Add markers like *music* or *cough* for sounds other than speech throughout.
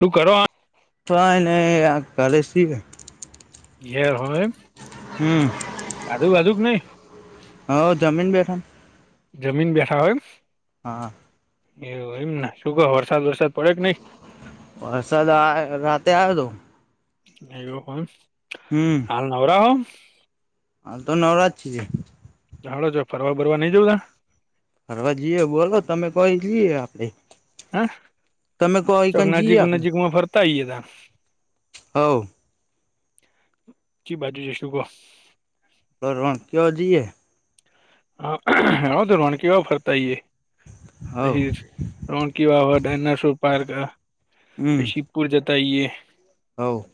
તું કરો? તો એને આ કરલે સિવા ઘ હોયમ હમ આજુ બાજુક નહીઈ હ જમીન બેઠા જમીન બેઠા હોય હા એવ એમ શું કહ વરસાદ વરસાદ પડે કે નઈ સાદ આ રાતે આવયો હતો એવું હ હમ હાલ નવરાવ હ તો નવરાત છી જ હડો છો ફરવા બરવા નઈ જં ત ફરવા જઈએ બોલો તમે કોઈ જઈએ આપડે હે તમે કો ચક કન જઈએ નજીક આપડે નજીકમાં ફરતા ઈ એ ત- *inaudible* ચી બાજુ જ શું કહ? હલો રોણ કયોજીએ. હા *unintelligible* આવ રોણકીવાવ ફરતાઈ હવ એ રોનકી વાહ ડાયનાસોર પાર્ક પ શિદપુર જતા હઓ.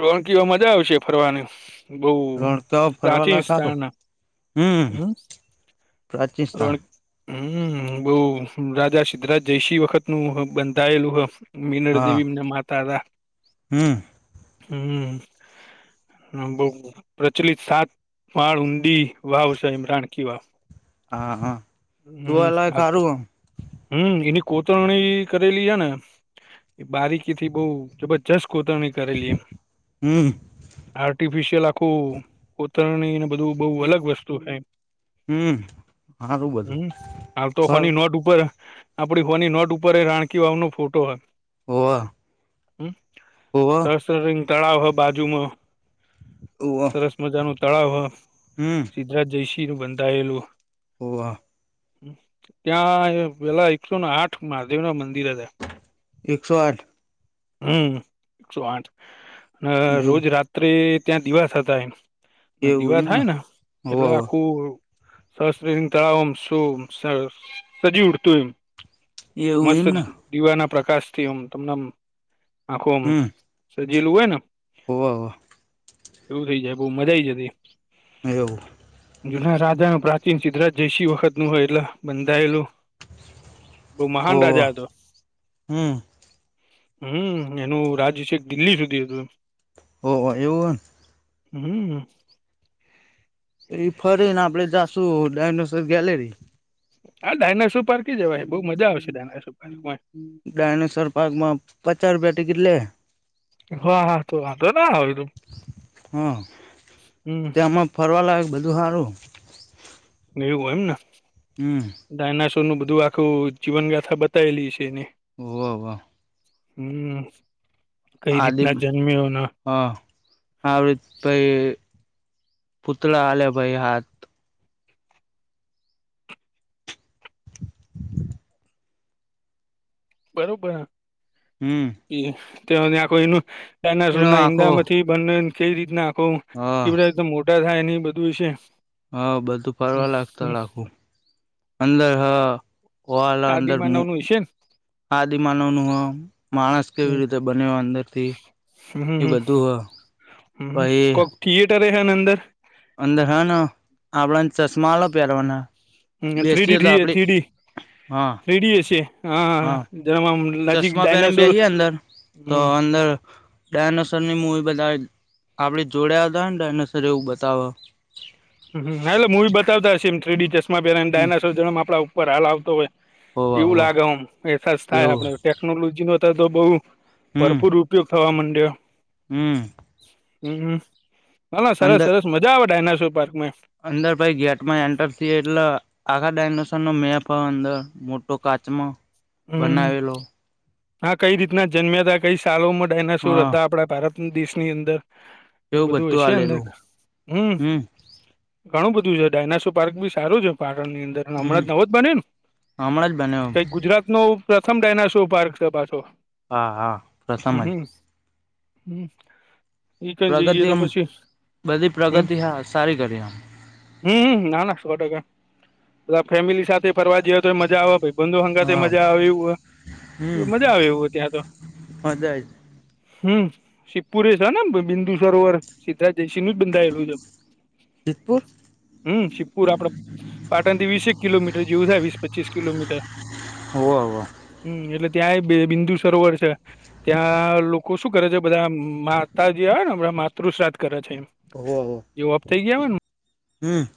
રોણકીઓ મજા આવશે ફરવાની બહ રણકયો પ્રાચીન ફરવાલાયક હારુ સ્થળના હમ પ્રાચીન સ્થાન રોન હમ બોવ રાજા સિદ્ધરાજ જયસિંહ વખત નું બંધાયેલું હ મીનળ હા દેવીને માતા હતા હમ. હમ. હ બોવ પ્રચલિત સાત વાળ ઊડી વાવ શે એમ રાણકીવાવ હા હા તું એલા હાલ તો ખારું હ હમ એની કોતરણી કરેલી છે ને એ બારીકી થી બોવ જબરજસ્ત કોતરણી કરેલી એમ હમ આર્ટિફિશિયલ આખું કોતરણીને બધું બોવ અલગ વસ્તુ છે. હમ હારું બધું હમ હાલ તો ફર હોની નોટ ઉપર આપણી હોની નોટ ઉપર એ રાણકી વાવનો ફોટો હ વાહ. હ સસ્ત્ર રિંગ તળાવ હ બાજુમાં ઓવ. સરસ મજાનો તળાવ હ હમ. સિદ્ધરાજ જયસિંહનું બંધાયેલું હોવ. ત્યાં પેલા એકસો આઠ મહાદેવના મંદિર હતા એકસો આઠ હમ એકસો આઠ રોજ એવું રાત રાત્રે ત્યાં દીવાસતા એ એવું દીવા એમને થાય ને હોવ એટલે હોવ આખું સરસ રે તળાવમ શું સજી ઉઠતું એવું મસ્ત એમને દીવાના પ્રકાશથી અમ તમને આખોમ સજીલુ હોયને હોવા હોવા એવું થય જાય બો મજા આઈ જતી એવું. જુના રાજાનુ પ્રાચીન સિદ્ધરાજ જયસિંહ વખતનું હોય એટલે બંધાયેલું બો મહાન હોવ રાજા હતો. હમ હમ એનું રાજ્ય છેક દિલ્હી સુધી હતું ઓહ એવુ હે હમ. એ ફરે ને આપડે જાશું ડાયનોસોર ગેલેરી હા ડાયનાસોર પાર્ક ઈ જવાય બો મજા આવશે ડાયનાસોર પાર્કમાં ડાયનાસોર પાર્કમાં પચાસ રૂપિયા ટિકિટ લે હા હા તો વાંધો ના હોય તો હા હમ તેમાં ફરવા લાયક બધું સારું ને એવું એમને હમ. ડાયનાસોરનું બધું આખું જીવનગાથા બતાયેલી છે, એને ઓવા વા હમ કઈ રીતના જન્મ્યો ના હ આડી ભાઈ પુતળા આલે ભાઈ હાથ બરોબર. હમ. ત્યા આખો એનું એનો ડાયનાસોરના આખો ઈંડામાંથી બંને કઈ રીતના આખો હા કે બધા એ મોટા થાયને એ બધું વિશે હ બધું ફરવા લાગત રાખું અંદર હ વાળ અંદર મુ આદિમાનવ નું હશે આદિ માનવ નું હો માણસ ને. કેવી રીતે બને અંદર એ હમ બધું પ એ થથીિયેટર એ છે અંદર અંદરનો આપણા ચશ્માલો પહેરવાના બેસતીએ તો આપડી હા રેડી હ છે હા જવા ચશ્મા પહેરીને બેસી અંદર તો અંદર ડાયનોસર ની મૂવી બધા આપડ જોડયા હતા ને ડાયનોસર એવું બતાવ હ એટલે મૂવી બતા હશે એમ થ્રીડી ચેસમાં પેલા હમ ડાયનાસોર જેમ આપણા ઉપર હાલ આવતો હોય હોવ એવું હોવ લાગેમ એસાસ થાય એવું આપડે ટેકનોલોજી નો તો તો બઉ હમ ભરપૂર ઉપયોગ થવા માંડ્યો હમ હમ ના ના સરસ અંદર સરસ મજા આવે ડાયનેશર પાર્કમાં અંદર પાઈ ગેટ માં એન્ટર થ એટલે આખા ડાયનોસોર નો મેપ અંદર મોટો કાચમાંો હમ હા કઈ રીતના જન્મ્યા હતા કઈ સાલોમ ડ એના હ શર હતા આપડા ભારત દિવસની અંદર એ એવું બધું હય છે અંદર આલેલું હમ ઘણું બધું છે ડાયનાસો પાર્ક બી સારું છે પાણની અંદર હમણાં હમ જ નવો જ બને ને હમણાં જ બન્યો કઈ ગુજરાત ન પ્રથમ ડાયનાસોર પાર્ક છે પાછો હા હા પ્રથમ જ હમ હમ ઈ કઈ જઈએ પ્રગતિ તો એમ પછી બધી હમ પ્રગતિ હા સારી કરી એમ હમ નાના સો ટકા પ ફેમિલી સાથે ફરવા જઈ તો મજા આવે ભ હા મજા આવે હમ મજા આવેય ત્યાં તો મજા હમ સિ્પુરે છે ને બિંદુ સરોવર સિ્ધરાજ જયસિંહું જ બંધાયેલું છે જિતપુર હમ સપુર આપે પાટણથી વીસેક કિલોમીટર જેવું થાય વીસ પચીસ કિલોમીટર હો હો હમ એટલે ત્યાં એ બિંદુ સરોવર છે ત્યાં લોકો શું કરે છે બધા માતાજી આવે નેણા માતૃ શ્રાદ્ધ કરે છે એમ હો હો એવાપ થઇ ગયાય ને હમ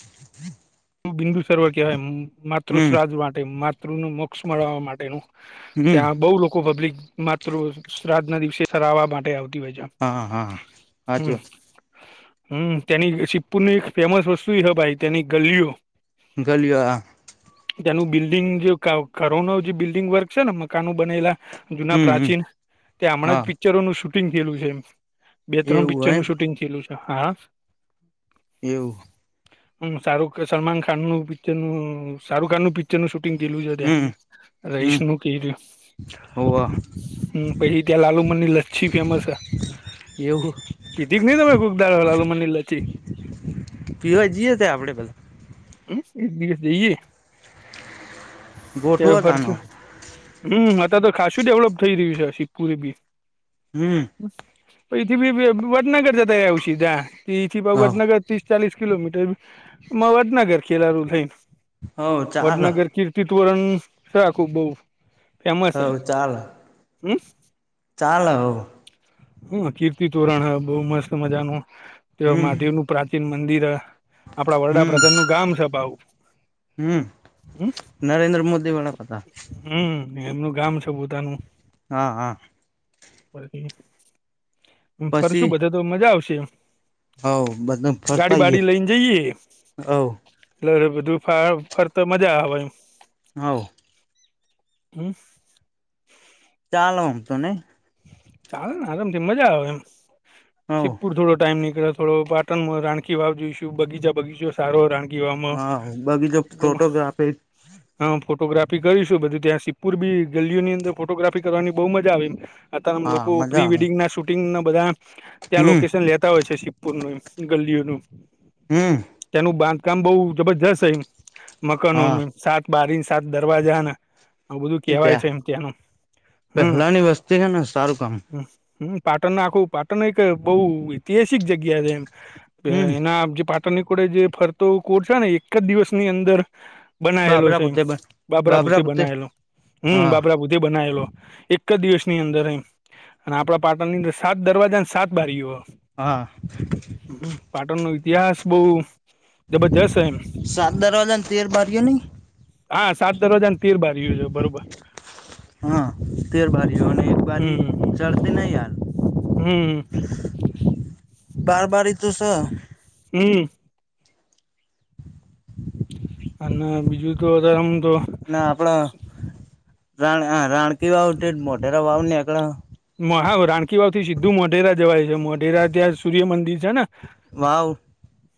હ બિંદુ સર્વ કહેવાય માતૃ શ્રા્ધ માટે માતૃ ન મોક્ષ મળવા માટેનું હમ ત્યાં બઉુ લોકો પબ્લિક માત્ર શ્રાદ્ધ ના દિવસે સરાવવા માટે આવતી હોય છે હા હા હમ હચું હમ તેની સપુરની એક ફેમસ વસ્તુ હ ભાઈ તેની ગલ્લીઓ ગાલી આ તેનું બિલ્ડિંગ જે ઘરો ન જે બિલ્ડિંગ વર્ક છે ને મકાનો બનેલા જૂના હમ હમ પ્રાચીન તે હમણાં જ હા પિક્ચરોનું શૂટિંગ થયેલું છે એમ બે ત્રણ એવું પિક્ચર એમ નું શૂટિંગ થયેલું છે હા એવું હમ્મ શાહરુખ સલમાન ખાન નું પિક્ચર નું શાહરુખ ખાન નું પિક્ચર પિક્ચર નું શૂટિંગ કીલું છે ત્યાં હમ રહીશ હમ નું કીરયુ હોવ હમ્મ પછી ત્યાં લાલુમનની લચ્છી ફેમસ હ એવું પીધીક નઈ તમે કુકદાલ લાલુમની લછી પીવા જઈએ ત્યાં આપડે બધા એક દિવસ જઈએ *inaudible* ક્યા ગોઠવો ખર્ચ તાનો હમ અતાર તો ખાસું ડેવલપ થઈ રહ્યું છે, સિધ્ધપુર બી હમ્મ. ઈથી બી વડનગર જતા રેહુ સીધા ઈથી હવ વડનગર ત્રીસ ચાલીસ કિલોમીટર માં વડનગર ખેલારું થઈ હવ ચાલો વડનગર કીર્ તી તોરણ રાખું બહુ. ફેમસ હે હવ ચાલો હમ્મ. ચાલો હવ હા કીર્તિ તોરણ હ બહું મસ્ત મજા નુ ત્યાં હમ મહાદેવ નું પ્રા ચિન મંદિર હ આપડા વડાપ્રધાન નું ગામ છે પાહુ હમ્મ હમ નરેન્દ્ર મોદી વડા પ્રધાન હમ્મ એમનું ગામ છે, પોતાનું હા-હા. પછી ફરશું બધા તો મજા આવશે એમ હવ બધું ગાડી ફરતાઈએ બાડી લઈને જઈએ. હવ લ ફા ફરતા મજા આવે એમ હઓ. હમ્મ. ચાલો ઓમ તો નહી. ચાલે ને આરામથી મજા આવે એમ હવ સિધ્ધપુર થોડો ટાઈમ નીકળ્યો. થોડો પાટણમાં રાણકી વાવ જોઈશું બગીચા બગીચો છે. સારો રાણકી વાવ માં હા બાકી જો ફોટોગ્રાફી. હા ફોટોગ્રાફી કરીશું બધું ત્યાં સિધપુર બી ગલીઓની અંદર ફોટોગ્રાફી કરવાની બહુ મજા આવે એમ. આમ હા લોકો મજા પ્રી આવે વેડિંગ ના શૂટિંગ ના બધા ત્યાં હમ લોકેશન લેતા હોય છે સી પુરનું એમ ગલીઓનું. હમ્મ. તેનું બાંધકામ બઉ જબરજસ્ત છેય હા મકાનોનું સા બારી સાત દરવાજા આ બધું એ કેહેવાય છે પ્યા એમ ત્યાંનું હમ્મ ત્યાં હે ને સારું કામ પાટણ આખું પાટણ એક બહુ ઐતિહાસિક જગ્યા છે એમ. હમ એના જે પાટણની કોડે જે ફરતો કોર છે, ને એક જ દિવસની અંદર બનાયેલો બાબરા છે, એમ પુતે બાબરાભૂત બાબરા પુતે બનાયલો હમ્મ હા બાબરાભૂત તે બનાયેલો હ એક જ દિવસ ની અંદર એમ આપડા પાટણની અંદર સાત દરવાજા અને સાત બારીઓ હ. હા. હમ્મ પાટણ નો ઇતિહાસ બહુ જબરદસ્ત હૈ એમ સાત દરવાજા ને તેર બારીઓ નઈ હા સાત દરરોજા તેર બારઈયો છ બરોબર. હા તેર બારીઓ અને બારી હમ જડતી નહી યાર હમ બાર બારી તો સ. હમ્મ. અને બીજું તો અતારે આમ તો આપડા રાણ અ રાણકી વાવ *unintelligible* મોઢરા વાવ નેકળ્યા. *unintelligible* રાણકી વાવથી સીધું મોઢેરા જવાય છે મોઢેરા ત્યાં સૂર્ય મંદિર છે ને વાવ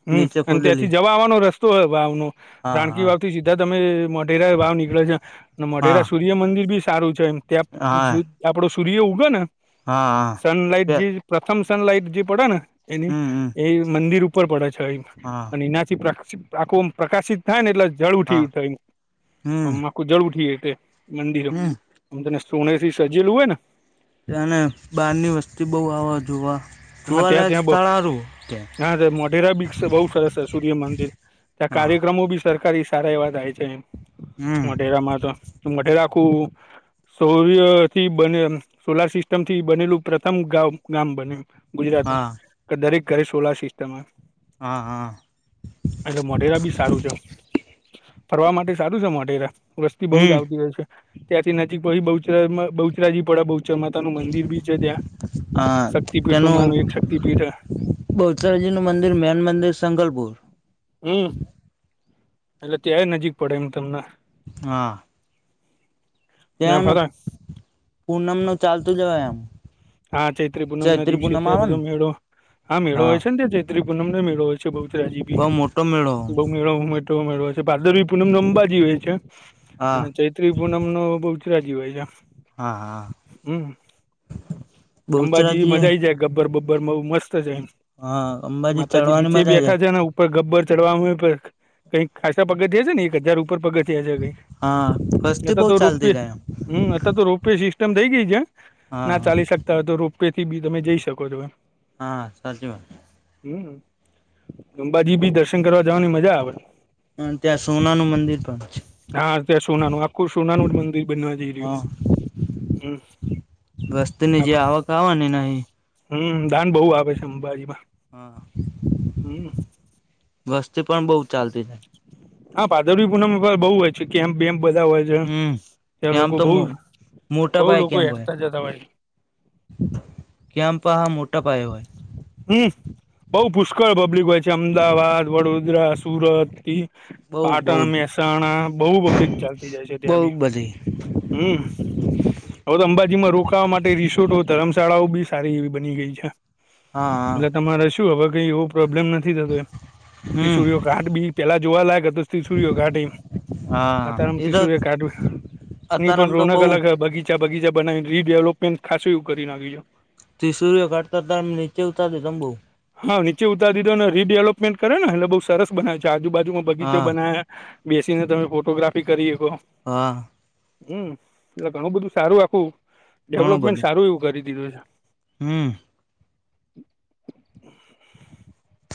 હમ નીચે અને ત્યાંથી ખોદેલી જવા આવાનો રસ તો હે વાવનો હા રાણકી હા વાવ થી સીધા તમે મોઢેરા વાવ નીકળો જ્યાં અને મોઢેરા હા સૂ ર્ય મંદિર બી સારું છે, એમ ત્યાં હા સૂ આપડો સૂર્ય ઊગે ને હા હા સનલાાઈટ પે જે પ્રથમ સનલાઈટ જે પડે ને એની હમ હમ એ મંદિર ઉ ઉપર પડે છે, એ. હા એનાથી પ્ર આખું આમ પ્રકાશિત થાય ને એટલે જળ હા ઉઠી હમ કુજળ ઉઠી એ તે મંદિરો હમ તને સોનેથી સજેલું હોય ને તને બહારની વસ થી બઉ આવાજોવા હા જોવા ત્યાં લાયક ત્યાં બ સ્થળ હારુ, કે. હા મોઢેરા બીચ બહુ સરસ સૂર્ય મંદિર ત્યા હા કાર્યક્રમો બી સરકારી સારા એવા થાય છે. એ હમ મોઢેરામાં તો. તો મોઢેરા આખું સૌર્યથી બનેલ સોલાર સિસ્ટમથી બનેલું પ્રથમ ગાવ ગામ બન્યું ગુજરાતનું. હા કે દરેક ઘરે સોલાર, સિસ્ટમમાં હા હા એટલે મોઢેરા બી સારું છે ફરવા માટે સારું છે, મોઢેરા. વસ્તી બહુ જ હમ આવતી હોય છે. ત્યાંથી નજીક પછી બહુચરા માં બહુચરાજી પડે બહુચરમાં પોતાનું મંદિર બી છે. ત્યાં હા શક્તિપીઠો માનું એક શક્તિપીઠ. બહુચરાજીનું મંદિર મેન મંદિર સંંગલપુર હમ એટલે ત્યાંય નજીક પડે એમ તમને. હા ત્યાં ફરાય *unintelligible* પૂનમનો ચાલતું જવાય આમ હા ચૈત્રી પૂનમના દિવસે પૂનમ ત્યાં આવે બધો ને મેળો હા મેળો હોય છે ત્યાં ચૈત્રી પૂનમનોય મેળો હોય બહુચરાજી, બી બઉ મોટો મેળો બઉ *unintelligible* છે ભારદરવી પૂનમ અંબાજી હોય છે. અને હા ચૈ ત્રિ પુનમનો બહુચરાજી હોય છે. હા હા. હમ અંબાજી મજા બહુચરાજી આઈ જાય ગબ્બર બબ્બર બઉ મસ્ત છે. હા અંબાજી માતાજી ચડવાની નીચે મજા છે બેઠા છેને, ઉ પર ગબ્બર ચડવાવામાં હોય, *unintelligible* કંઈક ખાસા પગથિયાં છે. ને એક હજાર ઉપર પગ થિયાં છે. હા કઈ વસ્તી બહુ અત્યારતો રોપે ચાલતી જાય હમ અત્યારે તો રોપવેે સિસ્ટમ થઇ ગઈ છે હા ના હા ચાલી શકતા હોય, તો રોપવેે થી બી તમે જઈ શકો છો એમ. હા સાચી વાત છે. હમ, અંબાજી ભી દર્શન કરવા જવાની મજા આવે હ ત્યાં સોનાનું મંદિર પણ છે હા, ત્યાં સોનાનું આખું સોનાનું જ મંદિર બનવા જઈ રહ્યું હા હમ. વસ્તીની જે આખું આવક આવેને એનાહી હમ દાન બહુ આવે છે અંબાજીમાં. હા હમ વસ્તી પણ બહુ ચાલતી જાય હા, ભારદરવી પૂનમે બ બઉ હોય છે કેમ્પ બેમ્પ બધા હોય છે. હમ ત્યાં કેમ્પ લોકો તો બઉ બઉ મોટા પાયે લોકો કેમ્પ હોય હેડતાં જતા હોય કેમ્પ પાહા, મોટા પાયે હોય હમ બઉ પુષ્કળ પબ્લિક હોય છે, અમદાવાદ, વડોદરા, સુરત બઉ બઉ પાટણ, મહેસાણા બહુ પબ્લિક ચાલતી જાય છે બઉ ત્યાં બી બધી હમ હવે તો અંબાજીમાં રોકાવા માટે રિસોર્ટો, ધર્મશાળાઓ બી સારી એવી બની ગઈ છે. હા હા એટલે તમારે શું હવે કઈ એવો પ્રોબ્લેમ નથી થતો હમ એ *unintelligible* ઘાટ બી પેહલા જોવાલાયક, હતું ત્રિસુરીઓ ઘાટી. હા અતારમ એ તો ત્રિસુરીઓ ઘાટ ની અત્યારે પણ આમ તો રોનક બઉ અલગ હ બગી ચા બગીચા બનાવીન રીડેવલપમેન્ટ ખાસું એવું કરી નાખ્યું છ. ત્રિસુરીઓ ઘાટ કરતા આમ નીચે ઉતાર દે તંબુ. હવ, નીચે ઉતાર દીધો ન રીડેવલપમેન્ટ કર ન એટલે બઉ સરસ બનાયુ છે. આજુબાજુમાં બગીચો હા બનાયા બેસીને તમે ફોટોગ્રાફી કરી હકો. હા. હમ, એટલે ઘણું બધું સારું આખું ઘણું ડેવલપમેન્ટ બધું સારું એવું કરી દીધું છ. હમ. *inaudible*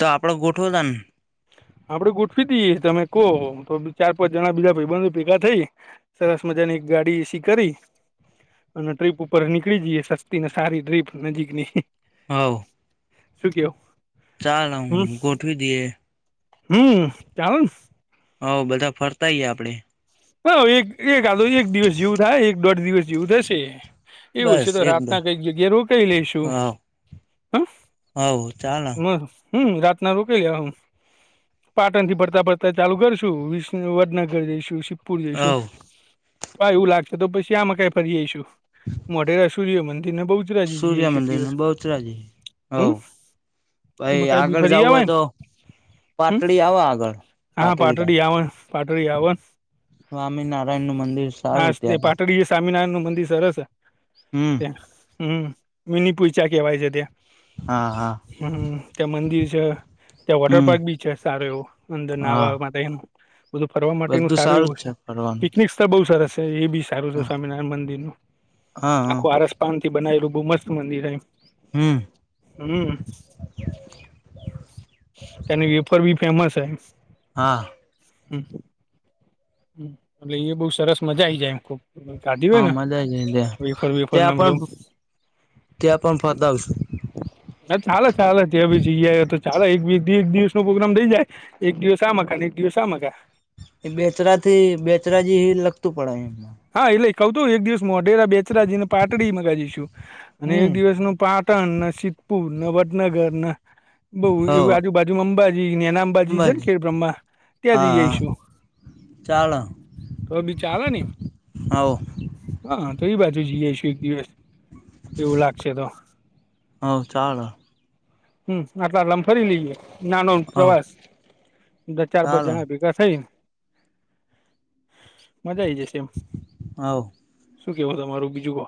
તો આપડ ગોઠવો તાન. આપડે ગોઠવી દીએ. તમે કો તો ચાર-પાંચ જણા બીજા ભાઈબંધો ભેગા થઈ સરસ મજાની એક ગાડી એસી કરી અન ટ્રીપ ઉપર નીકળી જીએ, સસ્તી ને સારી ટ્રીપ નજીકની. હવ. શું કયો? ચાલો ન ગોઠવી દીએ. હમ, ચાલન. હવ, બધા ફરતાઈ એ આપડે. હવ, એક-એક આ તો એક દિવસ જેવું થાય, એક-દોઢ દિવસ જેવું થશે. એવું હશે, બસ તો એકદમ રાતના કઈક જગ્યાએ રોકાઈ લઈશું. હવ હ હવ, ચાલ. હમ, રાતના રોકાઈ જાહુ. પાટણથી ભરતા ભરતા ચાલુ કરશું, વિષનું વડનગર જઈશું પૂર જઈશું. હવ પ એવું લાગશે તો પસી આમાં કાઈ ફરી આઈશું. મોઢેરા સૂર્ય મંદિર ન બહુચરાજી જઈ સૂર્ય આઈશું એક મંદિર ને દિવસ. બહુચરાજી હવ હમ. એમા ભાઈ કાઈ બી આગળ ફરી જવું હોય આવાયન. તો હમ. પાટડી આવો આગળ હા, પાટડી આવન પાટડી આવ. સ્વામિનારાયણનું મંદિર સારું ત્યાં. સ્વામિનારાયણનું મંદિર સરસ હ. હમ. હમ, મિનીપોઈચા કેવાય છે ત્યાં. હા. હા હમ, ત્યાં મંદિર છ ત્યાં વોટર હમ પાર્ક બી છે, સારો એવો અંદર હા નાહવા માટેનું બધું ફરવા માટેનું બધું સારું એવું જ છે. ફરવાનું પિકનિક ત્યાં બઉ સરસ છ, એ બી સારું છે હા સ્વામિનારાયણ મંદિરનું. હા હા આખું આરસ પાનથી બનાયલું બઉ મસ્ત મંદિર હય. હમ. હમ. ત્યાંની વેફર ભી ફેમસ હે. હા. હમ. હમ, અને એ બઉ સરસ મજા આઈ જાય, ખુબ. હમ, કાઢી હોય હા ન મજા છે ત્યાં વેફર-વેફર ને ત્યાં બધું. પણ ત્યાં પણ ફતાવશું. ના, ચાલ-ચાલ ત્ય બી જઈ આઈ એ તો ચાલ, એક વીકથી એક દિવસનો પ્રોગ્રામ થઈ જાય. એક દિવસ આમ હકા ન, એક દિવસ આમ હકા. એ બેચરાથી બેચરાજી લગતું પડ એમ. હા, એટલે કઉ તું એક દિવસ મોઢેરા, બેચરાજી ને પાટડી મગા જઈશું. અને એક હમ. દિવસનું પા ટન ન સિધપુર ન વડનગર ન બઉ એવું હો આજુ બાજુ અંબાજી નેના અંબાજી છે ને ખેર બ્રહ્મા ત્યાં જઈ હા હા જઈશું તોવે બી ચાલે ને આવ હા તો એ બાજુ જઈએઈશું એક દિવસ એવું લાગશે તો હ ચાળ હમ આટલા લમ ફરી લઈએ નાનો હવ પ્રવાસ ચાર પાસ ચાલો જણા ભેગા થઈ મજા આઈ જશે એમ હવ શું કેવો તમારું બીજું કો.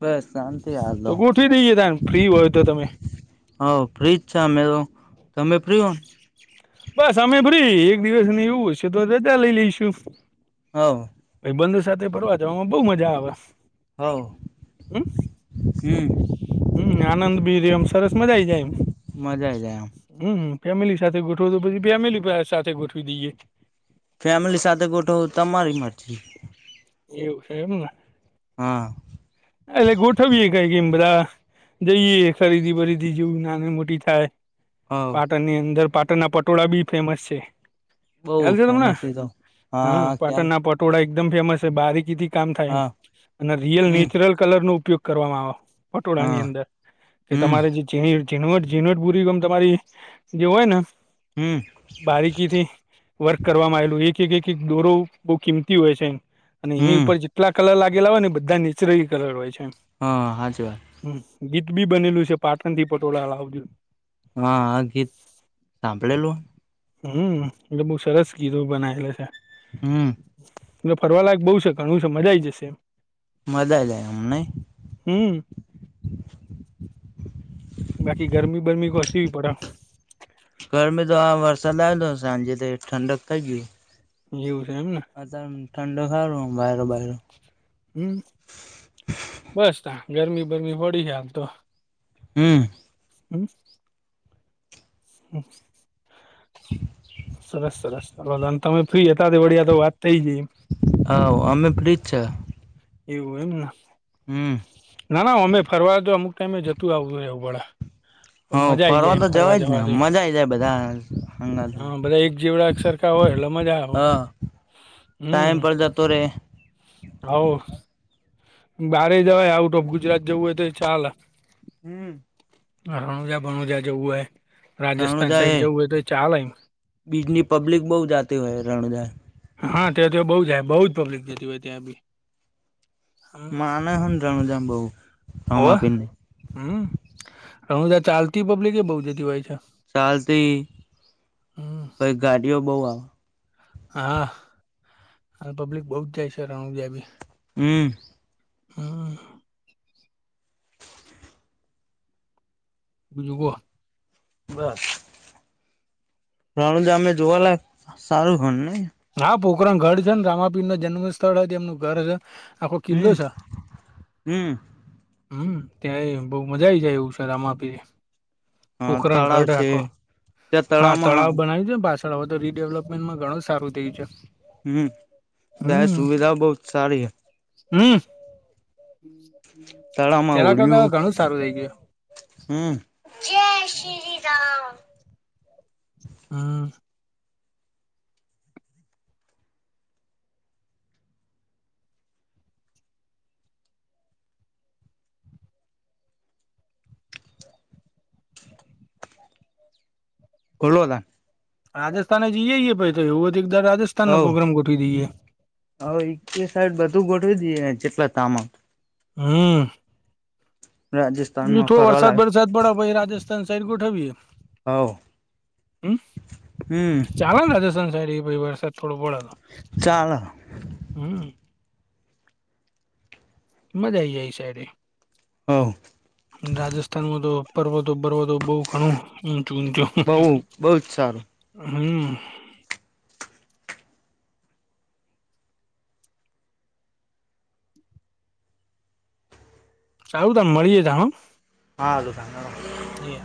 બસ શાંતિ હાલ તો ગોઠવી દઈએે તમ ફ્રી હોય તો તમે. હા ફ્રીજ છે અમે તો તમે ફ્રી હો? બસ અમે ફ્રી એક દિવસ ને એવું હશે તો રજા લઈ લઈશું. હાવ. ભાઈબંધો સાથે ફરવા જવામાં બહુ મજા આવે હ. હાવ. હમ્મ. હમ્મ આનંદ બી રેય એમ સરસ મજા આઈ જાય એમ. મજા આઈ જાય આમ. હમ્મ ફેમિલી સાથે ગોઠવો તો પછી ફેમિલી પાહે સાથે ગોઠવી દઈએ. ફેમિલી સાથે ગોઠવો તમારી મરજી. એવું છે એમ ને. હા. એલે ગોઠવીએ બી કઈ ગમ બદા. જઈએ ખરીદી બરીદી જેવું નાની મોટી થાય. હાવ. પાટણની અંદર પાટણના પટોળા બી ફેમસ છે. બઉ ખ્યાલ છે તમને ફેમસ તો હ હા ક્યાં પાટણના પટ પટોળા એકમ ફેમસ છે. બારીકીથી કામ થાય એમ હા અને રિયલ હમ નીટ રિયલ કલરનો ઉપયોગ કરવામાં આવ પટોળાની હા અંદર કે હમ તમારે જી ઝીણી ઝીનવટ ઝીનવટ પુરી ગમ તમારી જે હોય ને. હમ બારીકીથી વર્ક કરવામાં આવેલું એક એક એક એક દોરો બહુ કિંમતી હોય છે એમ અને એની હમ ઉપર કેટલા કલર લાગેલા હોય ને બધા નીચરલી કલર હોય છે. એમ. હં હાચી વાત. હમ્મ ગીત બી બનેલું છે પાટણ થી પટોળા લાવજો. હા આ ગીત સાંભળેલું. હમ્મ એટલે બઉ સરસ ગીતો બનાયેલા છે આ. હમ્મ. ને ફરવાલાયક બહુ છે ઘણું છે મજા આઈ જશે. મજા આ જાય એમ નહી. હમ્મ બાકી ગરમી બરમી ગો છવી પડ હ. ગરમી તો આ વરસાદ આવ્યો હતો સાંજે તો ઠંડક થઈ. એવુ છે એમ ને. અતારે એમ ઠંડો હારું ઓમ વ્યારો બ્યારો. હમ્મ બસ તા ગરમી બરમી વડી હાલ તો. હમ્મ. હમ્મ. હમ્મ. સરસ સરસ વલન તમે ફ્રી હતા તે વળી તો વાત થઇ ગઈ. હા અમે ફ્રી જ છે. એવું એમ ને. હમ્મ. ના ના ઓમે ફરવા તો અમુક ટાઈમે જતું આવવું હેં એવું વળા. પણ હ મજા આઈ જાય તો એમ જવાય ફરવા જ ને જવા જો મજા આઈ જાય બધા હંગાત હોય. હા બધા એક જેવડા છે. તાં હોય એટલે મજા આવ. હા ટાઈમ પણ જતો રહેે. હોવ. બારે જવાય આઉટ ઓફ ગુજરાત જવું હોય તો ચાલે. હમ્મ. હણુંજ બણું જ જેવુંય. રણુજા એ એમ બીજની પબ્લિક બહ જાતી હોય રણુજા. હા ત્યાં તો બઉ જાય બહુ જ પબ્લિક જતી હોય ત્યાં બી. હમ મા ના હમ જાણું જામ બહુ હ મા આપીને. હમ્મ રણુજા ચાલતી પબ્લિક એ બહુ જતી હોય છે. ચાલતી હમ કઈ ગાડીઓ બઉ આવે. હા. અને પબ્લિક બઉુ જાય છે રણુજા *unintelligible* બી. હમ્મ. હા. *inaudible* બસ. રણુજા માં જોવાલાય સારું છે નઈ. હા પોકરણ ઘર છે ને રામાપીર ન જન્મ સ્થળ તેમનું ઘર છે. આખો કિલ્લો હમ છ. હમ હમ્મ ત્યાંય બઉુ મજા આ આવી જાય એવુ છે રામાંપીર. હા પોખરણ તળાવ કર છે આખો ત્યાં હા તળાવમાં તળાવ બનાવીજે પાછ. ધ તો રીડેવલપમેન્ટમાં ઘણું સારું થયું છે. હમ્મ જાહેર સુવિધા બહુત સારી હૈ. હમ્મ પેલા કરતા ઘણું સારું થઇ ગયું. હમ્મ જય શ્રી રામ. હમ્મ. *inaudible* રાજસ્થાને જઈએ જીએ ભાઈ તો એવું એકદર રાજસ્થાન નો પ્રોગ્રામ ગોઠવી દઈએ. હ એક સાઈડ બધું ગોઠવી દેએ જેટલા તામાં. હમ્મ. એ રાજસ્થાનમાં થો વરસાદ ફરવાલાયક વરસાદ પડ્યો પછ રાજસ્થાન સાઈડ ગોઠવી. હવ હમ્મ હમ ચાલો રાજસ્થાન સાહેરી *unintelligible* વર્ષ. થોડું બોલ તો ચાલ હમ્મ. મજા આવી જાય એ સાઈડે. હા. રાજસ્થાનમાં તો પર્વતો પર્વતો બઉુ ઘણું જૂનું. બઉુ બઉુ જ સારું. હમ્મ. સારું ત મળી જે ત હ. હરુતો. એ.